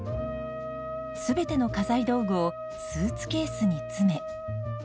全ての家財道具をスーツケースに詰め。